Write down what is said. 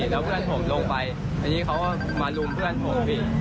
แล้วเพื่อนผมลงไปอันนี้เขาก็มาลุมเพื่อนผมพี่